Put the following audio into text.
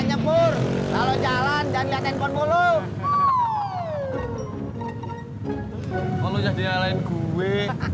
oh lo nyah di nyalain gue